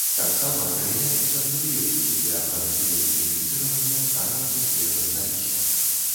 Таксама прымяняюцца антыбіётыкі для прадухілення інфіцыравання тканак, якія засталіся.